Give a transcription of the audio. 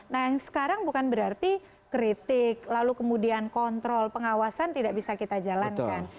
nah yang sekarang bukan berarti kritik lalu kemudian kontrol pengawasan tidak bisa kita jalankan